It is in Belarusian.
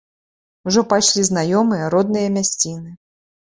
Ужо пайшлі знаёмыя, родныя мясціны.